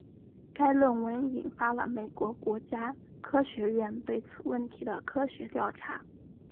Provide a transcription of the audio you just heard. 该论文引发了美国国家科学院对此问题的科学调查。